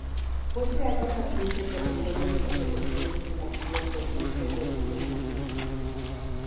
Fue creado a partir de territorios pertenecientes a la antigua provincia del Lemosín.